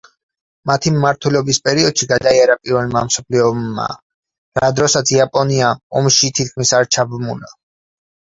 მათი მმართველობის პერიოდში გადაიარა პირველმა მსოფლიო ომმა, რა დროსაც იაპონია ომში თითქმის არ ჩაბმულა.